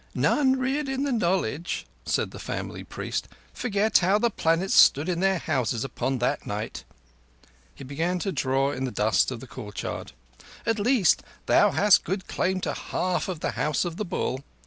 "None reared in the knowledge," said the family priest, "forget how the planets stood in their Houses upon that night." He began to draw in the dust of the courtyard. "At least thou hast good claim to a half of the House of the Bull.